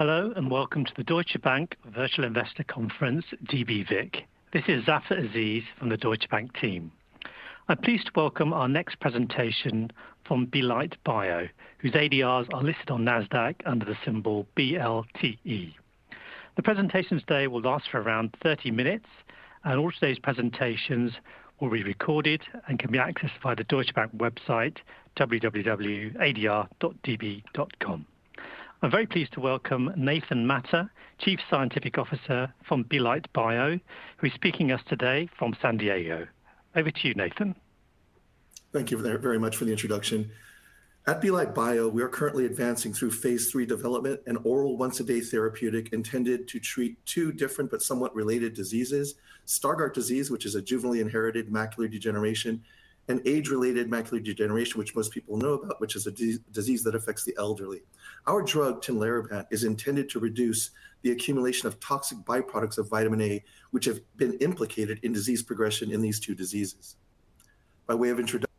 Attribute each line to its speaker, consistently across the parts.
Speaker 1: Hello, and welcome to the Deutsche Bank Virtual Investor Conference, dbVIC. This is Zafar Aziz from the Deutsche Bank team. I'm pleased to welcome our next presentation from Belite Bio, whose ADRs are listed on NASDAQ under the symbol BLTE. The presentations today will last for around 30 minutes, and all today's presentations will be recorded and can be accessed via the Deutsche Bank website, www.adr.db.com. I'm very pleased to welcome Nathan Mata, Chief Scientific Officer from Belite Bio, who is speaking to us today from San Diego. Over to you, Nathan.
Speaker 2: Thank you very much for the introduction. At Belite Bio, we are currently advancing through phase III development, an oral once-a-day therapeutic intended to treat two different but somewhat related diseases: Stargardt disease, which is a juvenile-inherited macular degeneration, and age-related macular degeneration, which most people know about, which is a disease that affects the elderly. Our drug, Tinlarebant, is intended to reduce the accumulation of toxic byproducts of vitamin A, which have been implicated in disease progression in these two diseases. By way of introduction,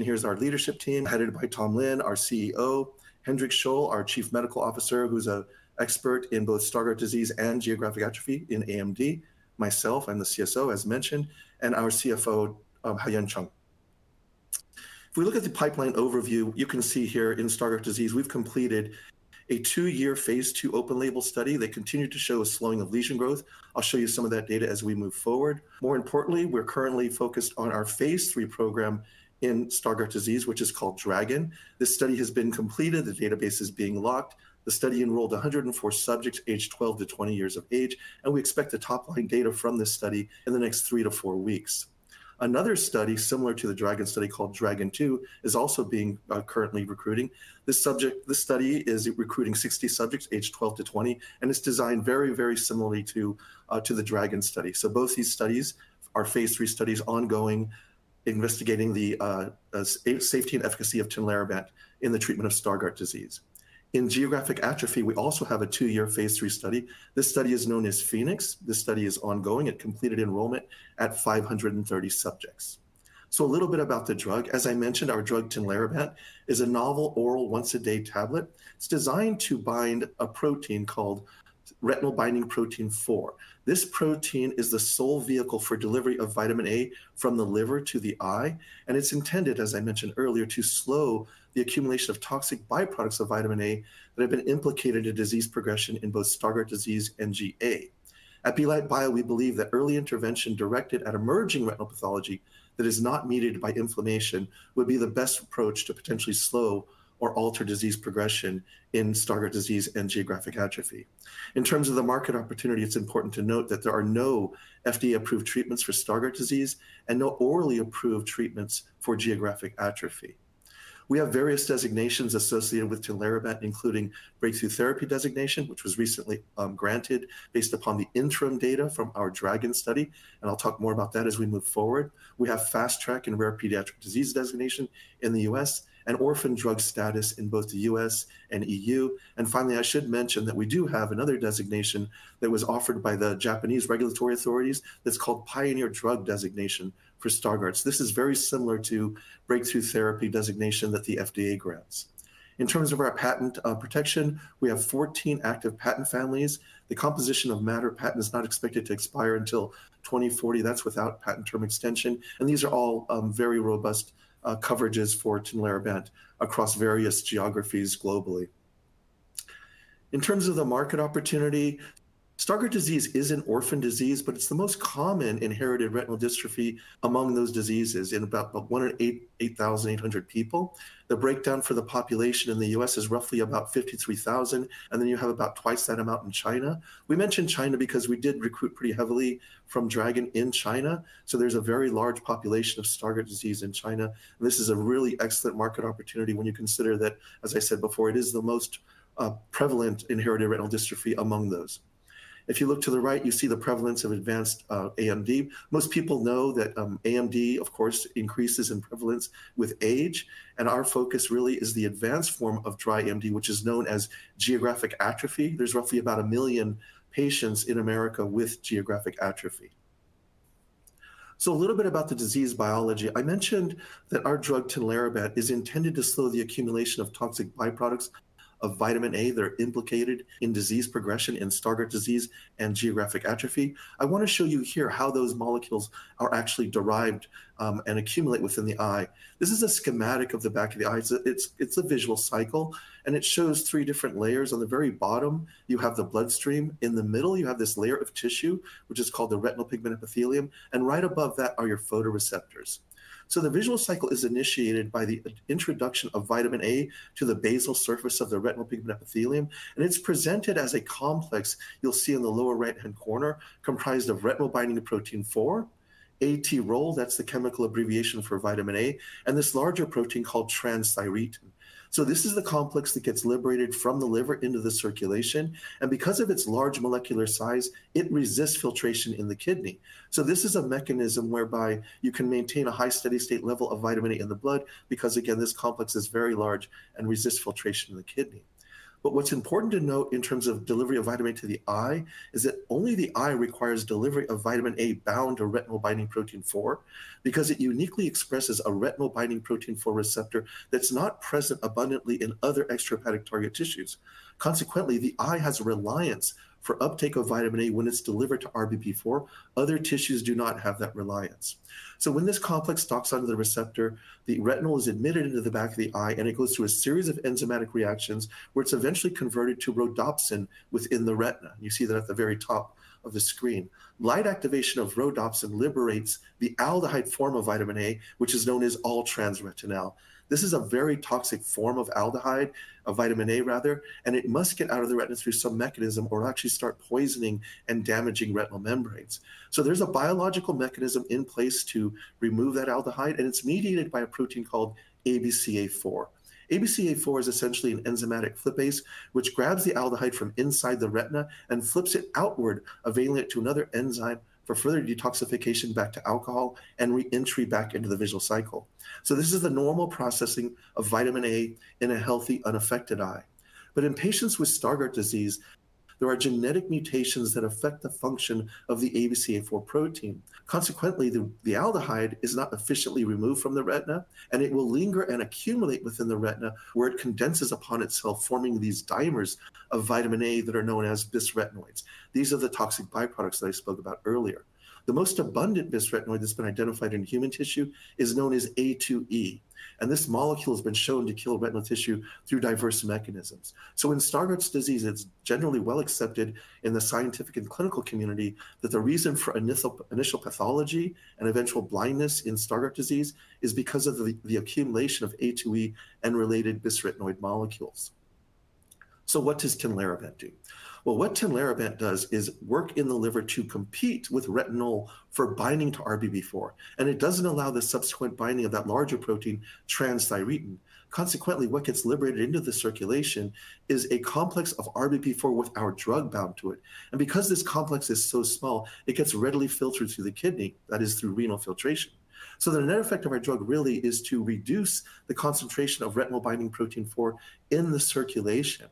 Speaker 2: here's our leadership team, headed by Tom Lin, our CEO, Hendrik Scholl, our Chief Medical Officer, who's an expert in both Stargardt disease and geographic atrophy in AMD, myself and the CSO, as mentioned, and our CFO, Hao-Yuan Chuang. If we look at the pipeline overview, you can see here in Stargardt disease, we've completed a two-year phase II open-label study that continued to show a slowing of lesion growth. I'll show you some of that data as we move forward. More importantly, we're currently focused on our phase III program in Stargardt disease, which is called DRAGON. This study has been completed. The database is being locked. The study enrolled 104 subjects aged 12 to 20 years of age, and we expect the top-line data from this study in the next three to four weeks. Another study, similar to the DRAGON study called DRAGON II, is also currently recruiting. This study is recruiting 60 subjects aged 12 to 20 and is designed very, very similarly to the DRAGON study. So both these studies are phase III studies ongoing, investigating the safety and efficacy of Tinlarebant in the treatment of Stargardt disease. In geographic atrophy, we also have a two-year phase III study. This study is known as PHOENIX. This study is ongoing. It completed enrollment at 530 subjects. So a little bit about the drug. As I mentioned, our drug, Tinlarebant, is a novel oral once-a-day tablet. It's designed to bind a protein called retinol binding protein 4. This protein is the sole vehicle for delivery of vitamin A from the liver to the eye, and it's intended, as I mentioned earlier, to slow the accumulation of toxic byproducts of vitamin A that have been implicated in disease progression in both Stargardt disease and GA. At Belite Bio, we believe that early intervention directed at emerging retinal pathology that is not mediated by inflammation would be the best approach to potentially slow or alter disease progression in Stargardt disease and geographic atrophy. In terms of the market opportunity, it's important to note that there are no FDA-approved treatments for Stargardt disease and no orally approved treatments for geographic atrophy. We have various designations associated with Tinlarebant, including Breakthrough Therapy Designation, which was recently granted based upon the interim data from our DRAGON study, and I'll talk more about that as we move forward. We have Fast Track and Rare Pediatric Disease Designation in the U.S. and Orphan Drug status in both the U.S. and EU. And finally, I should mention that we do have another designation that was offered by the Japanese regulatory authorities that's called Pioneer Drug Designation for Stargardt. This is very similar to Breakthrough Therapy Designation that the FDA grants. In terms of our patent protection, we have 14 active patent families. The composition of matter patent is not expected to expire until 2040. That's without patent term extension, and these are all very robust coverages for Tinlarebant across various geographies globally. In terms of the market opportunity, Stargardt disease is an orphan disease, but it's the most common inherited retinal dystrophy among those diseases in about 1 in 8,800 people. The breakdown for the population in the U.S. is roughly about 53,000, and then you have about twice that amount in China. We mention China because we did recruit pretty heavily from DRAGON in China, so there's a very large population of Stargardt disease in China. This is a really excellent market opportunity when you consider that, as I said before, it is the most prevalent inherited retinal dystrophy among those. If you look to the right, you see the prevalence of advanced AMD. Most people know that AMD, of course, increases in prevalence with age, and our focus really is the advanced form of dry AMD, which is known as geographic atrophy. There's roughly about a million patients in America with geographic atrophy. So a little bit about the disease biology. I mentioned that our drug, Tinlarebant, is intended to slow the accumulation of toxic byproducts of vitamin A. They're implicated in disease progression in Stargardt disease and geographic atrophy. I want to show you here how those molecules are actually derived and accumulate within the eye. This is a schematic of the back of the eye. It's a visual cycle, and it shows three different layers. On the very bottom, you have the bloodstream. In the middle, you have this layer of tissue, which is called the retinal pigment epithelium, and right above that are your photoreceptors. So the visual cycle is initiated by the introduction of vitamin A to the basal surface of the retinal pigment epithelium, and it's presented as a complex you'll see in the lower right-hand corner, comprised of retinol binding protein 4, at-ROL, that's the chemical abbreviation for vitamin A, and this larger protein called transthyretin. So this is the complex that gets liberated from the liver into the circulation, and because of its large molecular size, it resists filtration in the kidney. So this is a mechanism whereby you can maintain a high steady-state level of vitamin A in the blood because, again, this complex is very large and resists filtration in the kidney. But what's important to note in terms of delivery of vitamin A to the eye is that only the eye requires delivery of vitamin A bound to retinol binding protein 4 because it uniquely expresses a retinol binding protein 4 receptor that's not present abundantly in other extrahepatic target tissues. Consequently, the eye has reliance for uptake of vitamin A when it's delivered to RBP4. Other tissues do not have that reliance. So when this complex docks onto the receptor, the retinal is admitted into the back of the eye, and it goes through a series of enzymatic reactions where it's eventually converted to rhodopsin within the retina. You see that at the very top of the screen. Light activation of rhodopsin liberates the aldehyde form of vitamin A, which is known as all-trans-retinal. This is a very toxic form of aldehyde, of vitamin A rather, and it must get out of the retina through some mechanism or actually start poisoning and damaging retinal membranes. So there's a biological mechanism in place to remove that aldehyde, and it's mediated by a protein called ABCA4. ABCA4 is essentially an enzymatic flippase, which grabs the aldehyde from inside the retina and flips it outward, availing it to another enzyme for further detoxification back to alcohol and re-entry back into the visual cycle. So this is the normal processing of vitamin A in a healthy, unaffected eye. But in patients with Stargardt disease, there are genetic mutations that affect the function of the ABCA4 protein. Consequently, the aldehyde is not efficiently removed from the retina, and it will linger and accumulate within the retina where it condenses upon itself, forming these dimers of vitamin A that are known as bisretinoids. These are the toxic byproducts that I spoke about earlier. The most abundant bisretinoid that's been identified in human tissue is known as A2E, and this molecule has been shown to kill retinal tissue through diverse mechanisms. So in Stargardt disease, it's generally well accepted in the scientific and clinical community that the reason for initial pathology and eventual blindness in Stargardt disease is because of the accumulation of A2E and related bisretinoid molecules. So what does Tinlarebant do? Well, what Tinlarebant does is work in the liver to compete with retinol for binding to RBP4, and it doesn't allow the subsequent binding of that larger protein, transthyretin. Consequently, what gets liberated into the circulation is a complex of RBP4 with our drug bound to it. And because this complex is so small, it gets readily filtered through the kidney, that is, through renal filtration. So the net effect of our drug really is to reduce the concentration of retinol binding protein 4 in the circulation.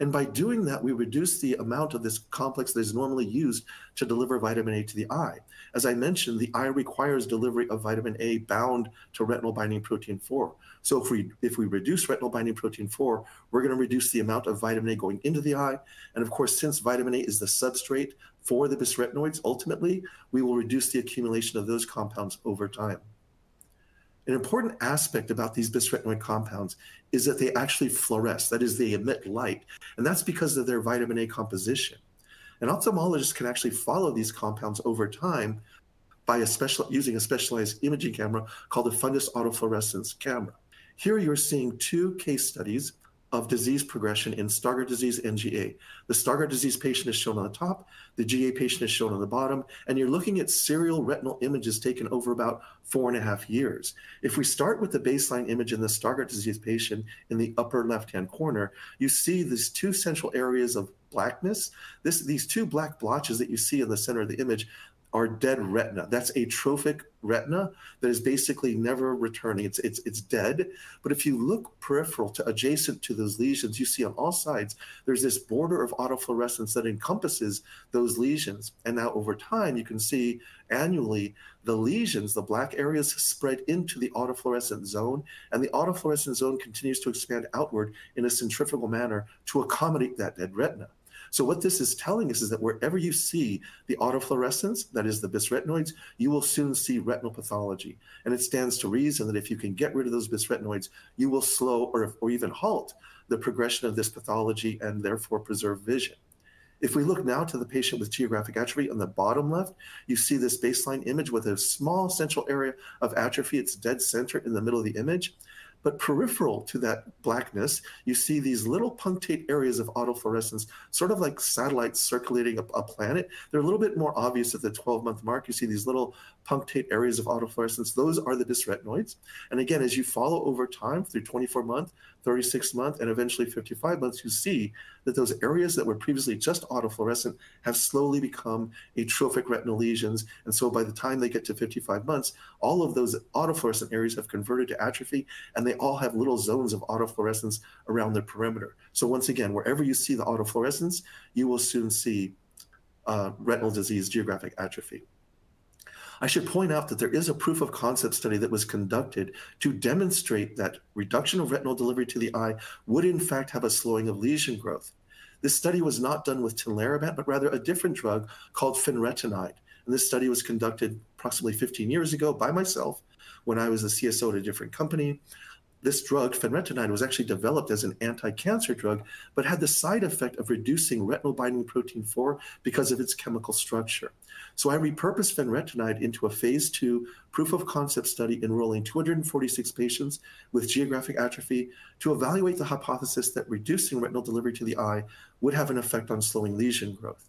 Speaker 2: And by doing that, we reduce the amount of this complex that is normally used to deliver vitamin A to the eye. As I mentioned, the eye requires delivery of vitamin A bound to retinol binding protein 4. So if we reduce retinol binding protein 4, we're going to reduce the amount of vitamin A going into the eye. And of course, since vitamin A is the substrate for the bisretinoids, ultimately, we will reduce the accumulation of those compounds over time. An important aspect about these bisretinoid compounds is that they actually fluoresce. That is, they emit light, and that's because of their vitamin A composition. An ophthalmologist can actually follow these compounds over time by using a specialized imaging camera called the fundus autofluorescence camera. Here you're seeing two case studies of disease progression in Stargardt disease and GA. The Stargardt disease patient is shown on the top. The GA patient is shown on the bottom, and you're looking at serial retinal images taken over about four and a half years. If we start with the baseline image in the Stargardt disease patient in the upper left-hand corner, you see these two central areas of blackness. These two black blotches that you see in the center of the image are dead retina. That's atrophic retina that is basically never returning. It's dead. But if you look peripheral to adjacent to those lesions, you see on all sides, there's this border of autofluorescence that encompasses those lesions. And now, over time, you can see annually the lesions, the black areas spread into the autofluorescent zone, and the autofluorescent zone continues to expand outward in a centrifugal manner to accommodate that dead retina. So what this is telling us is that wherever you see the autofluorescence, that is, the bisretinoids, you will soon see retinal pathology. And it stands to reason that if you can get rid of those bisretinoids, you will slow or even halt the progression of this pathology and therefore preserve vision. If we look now to the patient with geographic atrophy on the bottom left, you see this baseline image with a small central area of atrophy. It's dead center in the middle of the image. But peripheral to that blackness, you see these little punctate areas of autofluorescence, sort of like satellites circulating a planet. They're a little bit more obvious at the 12-month mark. You see these little punctate areas of autofluorescence. Those are the bisretinoids. And again, as you follow over time through 24 months, 36 months, and eventually 55 months, you see that those areas that were previously just autofluorescent have slowly become atrophic retinal lesions. And so by the time they get to 55 months, all of those autofluorescent areas have converted to atrophy, and they all have little zones of autofluorescence around their perimeter. So once again, wherever you see the autofluorescence, you will soon see retinal disease geographic atrophy. I should point out that there is a proof of concept study that was conducted to demonstrate that reduction of retinal delivery to the eye would, in fact, have a slowing of lesion growth. This study was not done with Tinlarebant, but rather a different drug called Fenretinide. And this study was conducted approximately 15 years ago by myself when I was a CSO at a different company. This drug, Fenretinide, was actually developed as an anti-cancer drug but had the side effect of reducing retinol binding protein 4 because of its chemical structure. So I repurposed Fenretinide into a phase II proof of concept study enrolling 246 patients with geographic atrophy to evaluate the hypothesis that reducing retinal delivery to the eye would have an effect on slowing lesion growth.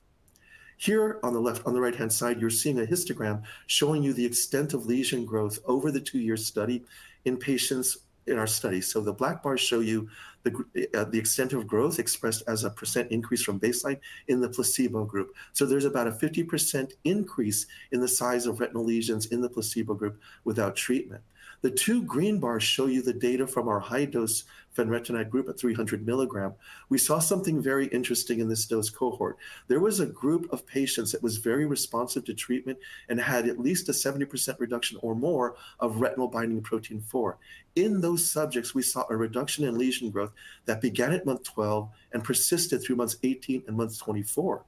Speaker 2: Here on the right-hand side, you're seeing a histogram showing you the extent of lesion growth over the two-year study in patients in our study, so the black bars show you the extent of growth expressed as a percent increase from baseline in the placebo group, so there's about a 50% increase in the size of retinal lesions in the placebo group without treatment. The two green bars show you the data from our high-dose Fenretinide group at 300 milligram. We saw something very interesting in this dose cohort. There was a group of patients that was very responsive to treatment and had at least a 70% reduction or more of retinol binding protein 4. In those subjects, we saw a reduction in lesion growth that began at month 12 and persisted through months 18 and months 24.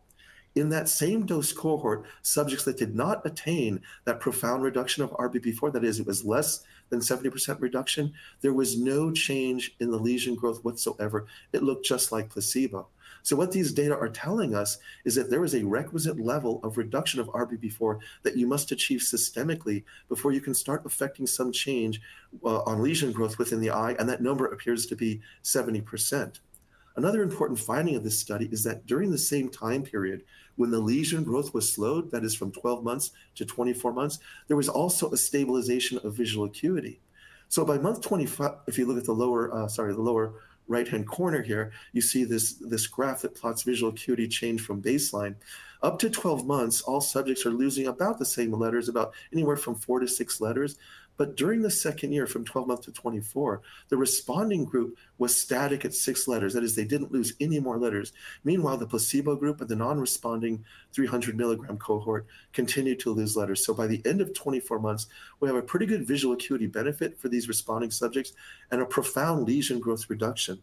Speaker 2: In that same dose cohort, subjects that did not attain that profound reduction of RBP4, that is, it was less than 70% reduction, there was no change in the lesion growth whatsoever. It looked just like placebo. So what these data are telling us is that there is a requisite level of reduction of RBP4 that you must achieve systemically before you can start affecting some change on lesion growth within the eye, and that number appears to be 70%. Another important finding of this study is that during the same time period when the lesion growth was slowed, that is, from 12 months to 24 months, there was also a stabilization of visual acuity. So by month 25, if you look at the lower right-hand corner here, you see this graph that plots visual acuity change from baseline. Up to 12 months, all subjects are losing about the same letters, about anywhere from four to six letters. But during the second year, from 12 months to 24, the responding group was static at six letters. That is, they didn't lose any more letters. Meanwhile, the placebo group and the non-responding 300 milligram cohort continued to lose letters. So by the end of 24 months, we have a pretty good visual acuity benefit for these responding subjects and a profound lesion growth reduction.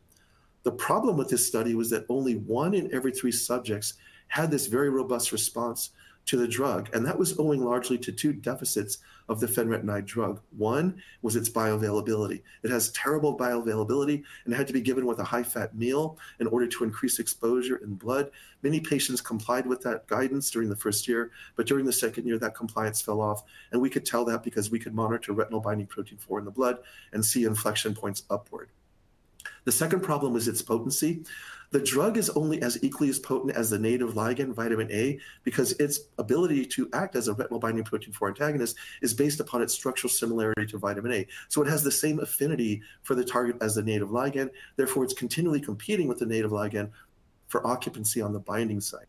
Speaker 2: The problem with this study was that only one in every three subjects had this very robust response to the drug, and that was owing largely to two deficits of the Fenretinide drug. One was its bioavailability. It has terrible bioavailability, and it had to be given with a high-fat meal in order to increase exposure in blood. Many patients complied with that guidance during the first year, but during the second year, that compliance fell off, and we could tell that because we could monitor retinol binding protein 4 in the blood and see inflection points upward. The second problem is its potency. The drug is only as equally as potent as the native ligand, vitamin A, because its ability to act as a retinol binding protein 4 antagonist is based upon its structural similarity to vitamin A. So it has the same affinity for the target as the native ligand. Therefore, it's continually competing with the native ligand for occupancy on the binding site.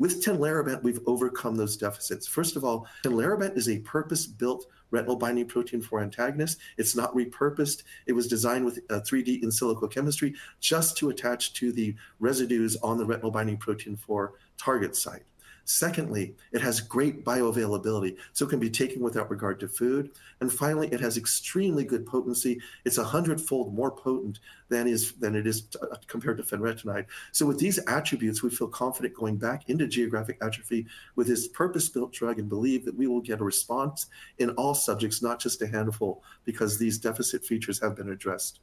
Speaker 2: With Tinlarebant, we've overcome those deficits. First of all, Tinlarebant is a purpose-built retinol binding protein 4 antagonist. It's not repurposed. It was designed with 3D in silico chemistry just to attach to the residues on the retinol binding protein 4 target site. Secondly, it has great bioavailability, so it can be taken without regard to food. And finally, it has extremely good potency. It's a hundredfold more potent than it is compared to Fenretinide. So with these attributes, we feel confident going back into geographic atrophy with this purpose-built drug and believe that we will get a response in all subjects, not just a handful, because these deficit features have been addressed.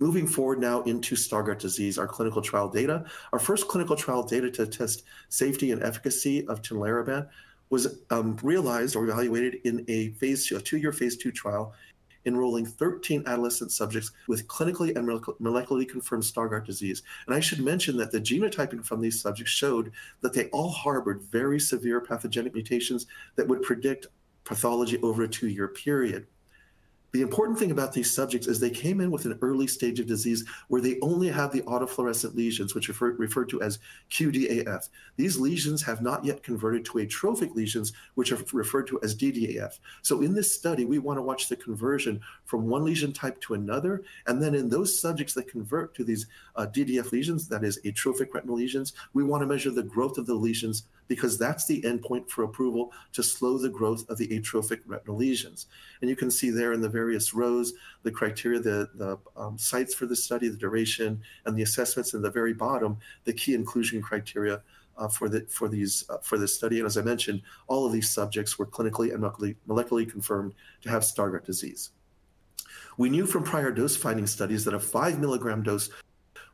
Speaker 2: Moving forward now into Stargardt disease, our clinical trial data. Our first clinical trial data to test safety and efficacy of Tinlarebant was realized or evaluated in a two-year phase II trial enrolling 13 adolescent subjects with clinically and molecularly confirmed Stargardt disease. I should mention that the genotyping from these subjects showed that they all harbored very severe pathogenic mutations that would predict pathology over a two-year period. The important thing about these subjects is they came in with an early stage of disease where they only have the autofluorescent lesions, which are referred to as QDAF. These lesions have not yet converted to atrophic lesions, which are referred to as DDAF. In this study, we want to watch the conversion from one lesion type to another. Then in those subjects that convert to these DDAF lesions, that is, atrophic retinal lesions, we want to measure the growth of the lesions because that's the endpoint for approval to slow the growth of the atrophic retinal lesions. You can see there in the various rows, the criteria, the sites for the study, the duration, and the assessments in the very bottom, the key inclusion criteria for this study. And as I mentioned, all of these subjects were clinically and molecularly confirmed to have Stargardt disease. We knew from prior dose finding studies that a five milligram dose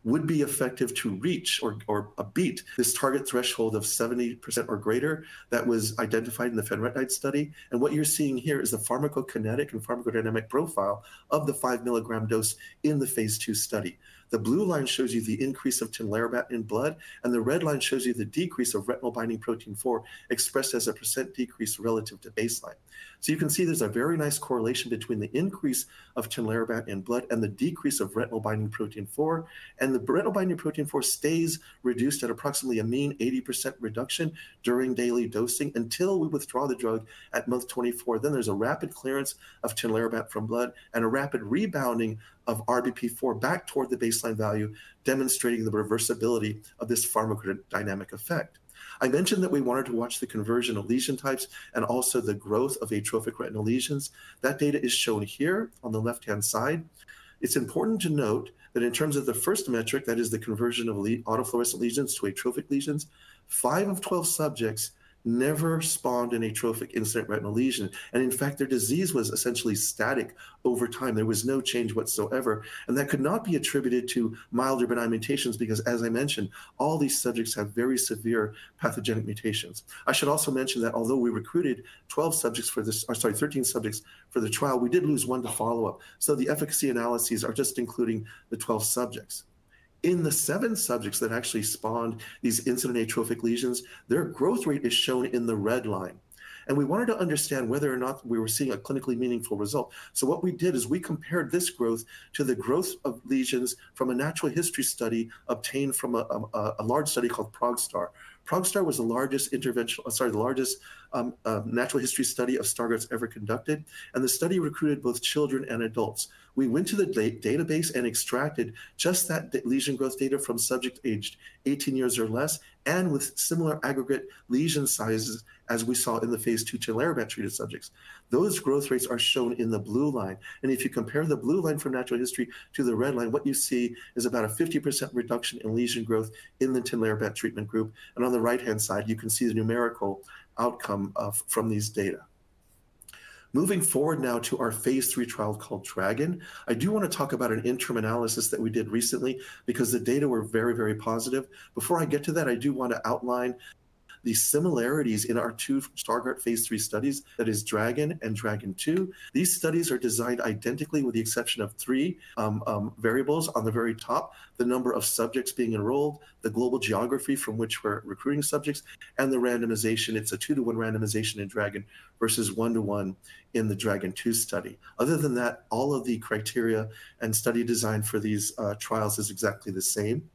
Speaker 2: would be effective to reach or beat this target threshold of 70% or greater that was identified in the Fenretinide study. And what you're seeing here is the pharmacokinetic and pharmacodynamic profile of the five milligram dose in the phase II study. The blue line shows you the increase of Tinlarebant in blood, and the red line shows you the decrease of retinol binding protein 4 expressed as a percent decrease relative to baseline. You can see there's a very nice correlation between the increase of Tinlarebant in blood and the decrease of retinol binding protein 4. The retinol binding protein 4 stays reduced at approximately a mean 80% reduction during daily dosing until we withdraw the drug at month 24. There's a rapid clearance of Tinlarebant from blood and a rapid rebounding of RBP4 back toward the baseline value, demonstrating the reversibility of this pharmacodynamic effect. I mentioned that we wanted to watch the conversion of lesion types and also the growth of atrophic retinal lesions. That data is shown here on the left-hand side. It's important to note that in terms of the first metric, that is, the conversion of autofluorescent lesions to atrophic lesions, five of 12 subjects never spawned an atrophic incident retinal lesion. In fact, their disease was essentially static over time. There was no change whatsoever. That could not be attributed to milder benign mutations because, as I mentioned, all these subjects have very severe pathogenic mutations. I should also mention that although we recruited 13 subjects for the trial, we did lose one to follow up. The efficacy analyses are just including the 12 subjects. In the seven subjects that actually spawned these incident atrophic lesions, their growth rate is shown in the red line. We wanted to understand whether or not we were seeing a clinically meaningful result. What we did is we compared this growth to the growth of lesions from a natural history study obtained from a large study called ProgStar. ProgStar was the largest natural history study of Stargardt's ever conducted. The study recruited both children and adults. We went to the database and extracted just that lesion growth data from subjects aged 18 years or less and with similar aggregate lesion sizes as we saw in the phase II Tinlarebant treated subjects. Those growth rates are shown in the blue line. If you compare the blue line from natural history to the red line, what you see is about a 50% reduction in lesion growth in the Tinlarebant treatment group. On the right-hand side, you can see the numerical outcome from these data. Moving forward now to our phase III trial called DRAGON. I do want to talk about an interim analysis that we did recently because the data were very, very positive. Before I get to that, I do want to outline the similarities in our two Stargardt phase III studies, that is, DRAGON and DRAGON II. These studies are designed identically with the exception of three variables on the very top: the number of subjects being enrolled, the global geography from which we're recruiting subjects, and the randomization. It's a two-to-one randomization in DRAGON versus one-to-one in the DRAGON II study. Other than that, all of the criteria and study design for these trials is exactly the same.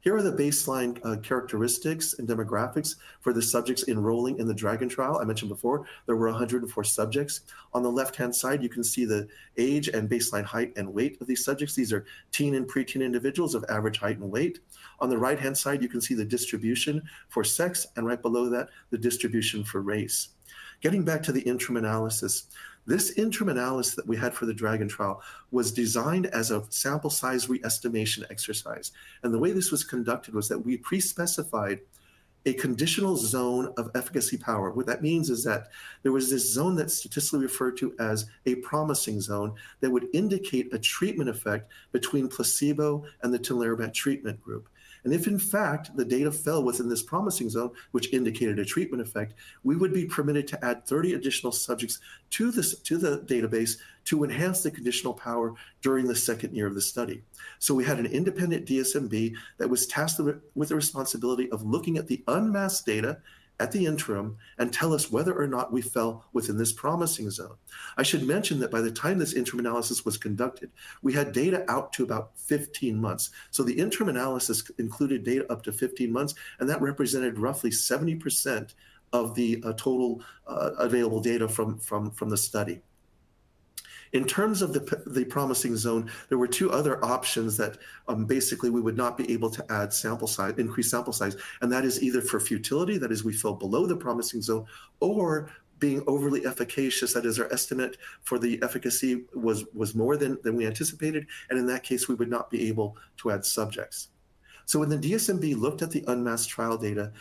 Speaker 2: Here are the baseline characteristics and demographics for the subjects enrolling in the DRAGON trial. I mentioned before there were 104 subjects. On the left-hand side, you can see the age and baseline height and weight of these subjects. These are teen and preteen individuals of average height and weight. On the right-hand side, you can see the distribution for sex, and right below that, the distribution for race. Getting back to the interim analysis, this interim analysis that we had for the DRAGON trial was designed as a sample size re-estimation exercise, and the way this was conducted was that we pre-specified a conditional zone of efficacy power. What that means is that there was this zone that's statistically referred to as a promising zone that would indicate a treatment effect between placebo and the Tinlarebant treatment group, and if, in fact, the data fell within this promising zone, which indicated a treatment effect, we would be permitted to add 30 additional subjects to the database to enhance the conditional power during the second year of the study, so we had an independent DSMB that was tasked with the responsibility of looking at the unmasked data at the interim and tell us whether or not we fell within this promising zone. I should mention that by the time this interim analysis was conducted, we had data out to about 15 months. So the interim analysis included data up to 15 months, and that represented roughly 70% of the total available data from the study. In terms of the promising zone, there were two other options that basically we would not be able to add or increase sample size. And that is either for futility, that is, we fell below the promising zone, or being overly efficacious, that is, our estimate for the efficacy was more than we anticipated. And in that case, we would not be able to add subjects. So when the DSMB looked at the unmasked trial data,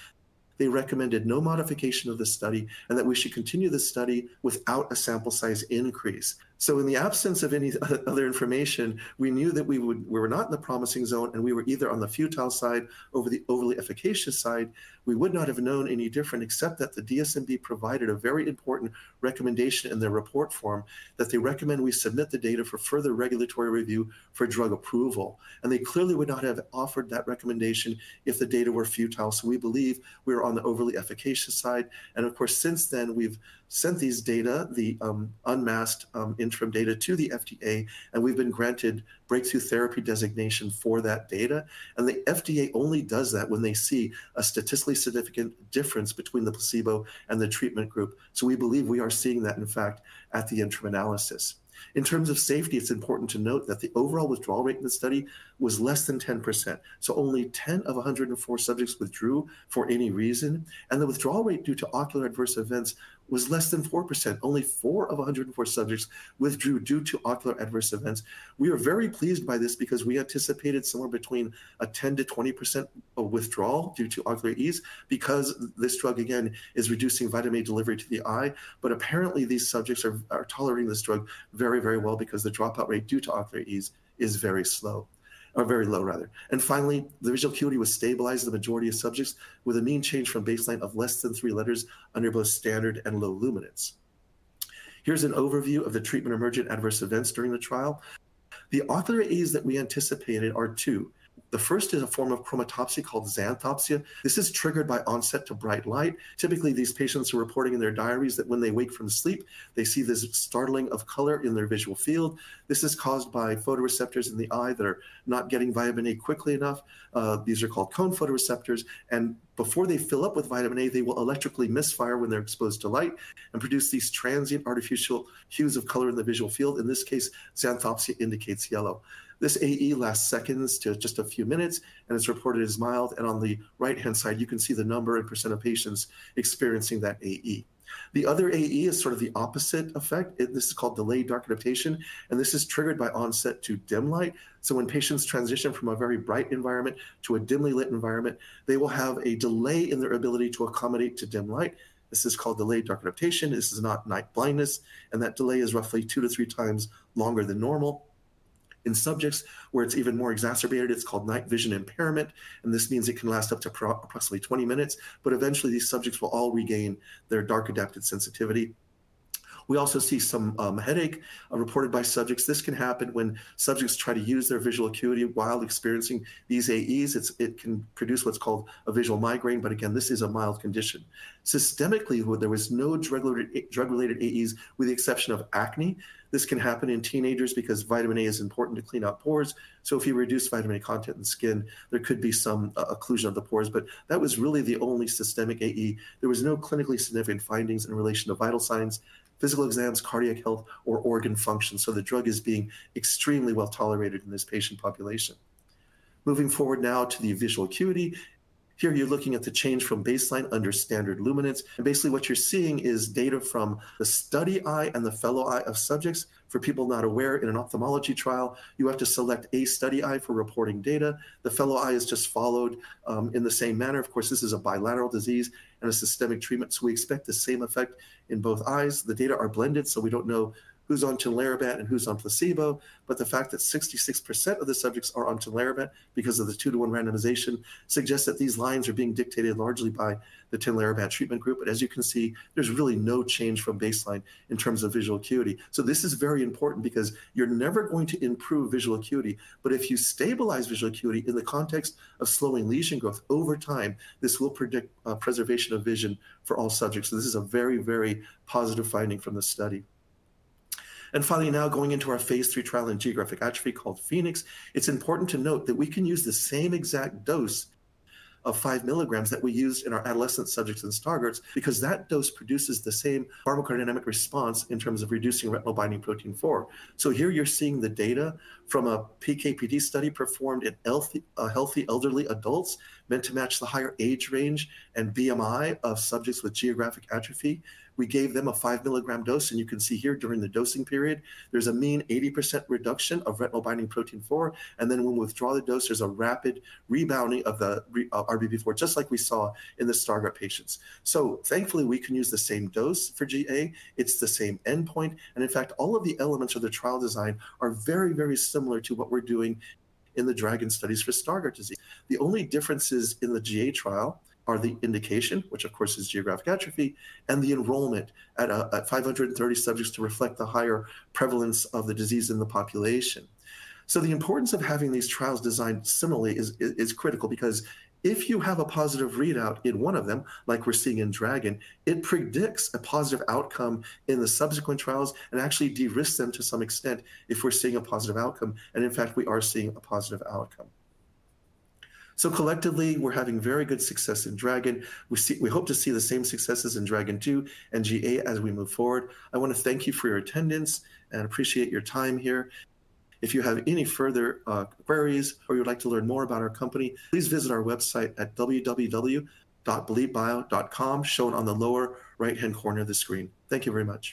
Speaker 2: they recommended no modification of the study and that we should continue the study without a sample size increase. In the absence of any other information, we knew that we were not in the promising zone, and we were either on the futile side or the overly efficacious side. We would not have known any different except that the DSMB provided a very important recommendation in their report form that they recommend we submit the data for further regulatory review for drug approval. They clearly would not have offered that recommendation if the data were futile. We believe we were on the overly efficacious side. Of course, since then, we've sent these data, the unmasked interim data to the FDA, and we've been granted Breakthrough Therapy Designation for that data. The FDA only does that when they see a statistically significant difference between the placebo and the treatment group. We believe we are seeing that, in fact, at the interim analysis. In terms of safety, it's important to note that the overall withdrawal rate in the study was less than 10%, so only 10 of 104 subjects withdrew for any reason, and the withdrawal rate due to ocular adverse events was less than 4%. Only four of 104 subjects withdrew due to ocular adverse events. We are very pleased by this because we anticipated somewhere between 10%-20% withdrawal due to ocular AEs because this drug, again, is reducing vitamin A delivery to the eye, but apparently, these subjects are tolerating this drug very, very well because the dropout rate due to ocular AEs is very slow or very low, rather, and finally, the visual acuity was stabilized in the majority of subjects with a mean change from baseline of less than three letters under both standard and low luminance. Here's an overview of the treatment emergent adverse events during the trial. The ocular AEs that we anticipated are two. The first is a form of chromatopsia called xanthopsia. This is triggered by exposure to bright light. Typically, these patients are reporting in their diaries that when they wake from sleep, they see this startling color in their visual field. This is caused by photoreceptors in the eye that are not getting vitamin A quickly enough. These are called cone photoreceptors. And before they fill up with vitamin A, they will electrically misfire when they're exposed to light and produce these transient artificial hues of color in the visual field. In this case, xanthopsia indicates yellow. This AE lasts seconds to just a few minutes, and it's reported as mild. And on the right-hand side, you can see the number and percent of patients experiencing that AE. The other AE is sort of the opposite effect. This is called delayed dark adaptation, and this is triggered by onset to dim light. So when patients transition from a very bright environment to a dimly lit environment, they will have a delay in their ability to accommodate to dim light. This is called delayed dark adaptation. This is not night blindness. And that delay is roughly two to three times longer than normal. In subjects where it's even more exacerbated, it's called night vision impairment. And this means it can last up to approximately 20 minutes. But eventually, these subjects will all regain their dark adapted sensitivity. We also see some headache reported by subjects. This can happen when subjects try to use their visual acuity while experiencing these AEs. It can produce what's called a visual migraine. But again, this is a mild condition. Systemically, there were no drug-related AEs with the exception of acne. This can happen in teenagers because vitamin A is important to clean out pores. So if you reduce vitamin A content in the skin, there could be some occlusion of the pores. But that was really the only systemic AE. There were no clinically significant findings in relation to vital signs, physical exams, cardiac health, or organ function. So the drug is being extremely well tolerated in this patient population. Moving forward now to the visual acuity. Here, you're looking at the change from baseline under standard luminance. And basically, what you're seeing is data from the study eye and the fellow eye of subjects. For people not aware, in an ophthalmology trial, you have to select a study eye for reporting data. The fellow eye is just followed in the same manner. Of course, this is a bilateral disease and a systemic treatment, so we expect the same effect in both eyes. The data are blended, so we don't know who's on Tinlarebant and who's on placebo, but the fact that 66% of the subjects are on Tinlarebant because of the two-to-one randomization suggests that these lines are being dictated largely by the Tinlarebant treatment group, but as you can see, there's really no change from baseline in terms of visual acuity, so this is very important because you're never going to improve visual acuity, but if you stabilize visual acuity in the context of slowing lesion growth over time, this will predict preservation of vision for all subjects, so this is a very, very positive finding from the study. Finally, now going into our phase III trial in geographic atrophy called PHOENIX, it's important to note that we can use the same exact dose of five milligrams that we used in our adolescent subjects in Stargardt because that dose produces the same pharmacodynamic response in terms of reducing retinol binding protein 4. So here, you're seeing the data from a PKPD study performed in healthy elderly adults meant to match the higher age range and BMI of subjects with geographic atrophy. We gave them a five milligram dose. And you can see here during the dosing period, there's a mean 80% reduction of retinol binding protein 4. And then when we withdraw the dose, there's a rapid rebounding of the RBP4, just like we saw in the Stargardt patients. So thankfully, we can use the same dose for GA. It's the same endpoint. In fact, all of the elements of the trial design are very, very similar to what we're doing in the DRAGON studies for Stargardt disease. The only differences in the GA trial are the indication, which of course is geographic atrophy, and the enrollment at 530 subjects to reflect the higher prevalence of the disease in the population. The importance of having these trials designed similarly is critical because if you have a positive readout in one of them, like we're seeing in DRAGON, it predicts a positive outcome in the subsequent trials and actually de-risk them to some extent if we're seeing a positive outcome. In fact, we are seeing a positive outcome. Collectively, we're having very good success in DRAGON. We hope to see the same successes in DRAGON II and GA as we move forward. I want to thank you for your attendance and appreciate your time here. If you have any further queries or you'd like to learn more about our company, please visit our website at www.belitebio.com shown on the lower right-hand corner of the screen. Thank you very much.